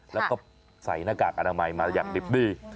แล้วก็ใส่หน้ากากอนามัยมาอย่างดิบดี